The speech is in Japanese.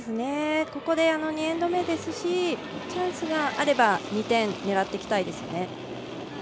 ここで２エンド目ですしチャンスがあれば２点狙っていきたいです。